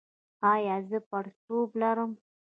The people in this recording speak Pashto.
ایا زه پړسوب لرم؟